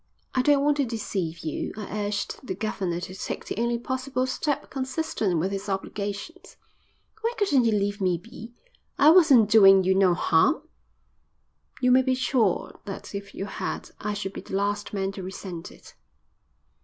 "I don't want to deceive you. I urged the governor to take the only possible step consistent with his obligations." "Why couldn't you leave me be? I wasn't doin' you no harm." "You may be sure that if you had I should be the last man to resent it."